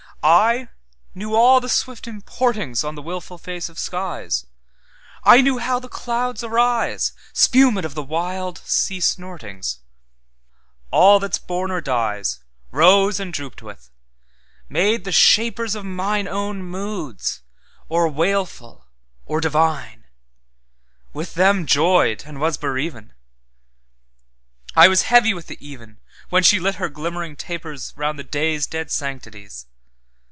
I knew all the swift importingsOn the wilful face of skies;I knew how the clouds ariseSpumèd of the wild sea snortings; All that's born or diesRose and drooped with; made them shapersOf mine own moods, or wailful or divine; With them joyed and was bereaven.I was heavy with the even, When she lit her glimmering tapersRound the day's dead sanctities.